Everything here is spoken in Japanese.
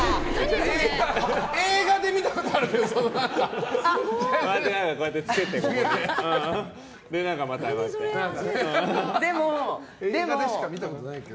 映画で見たことあるけど。